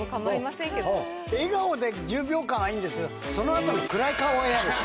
笑顔で１０秒間はいいんですけどその後の。